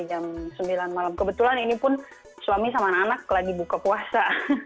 jam sembilan malam kebetulan ini pun suami sama anak anak lagi buka puasa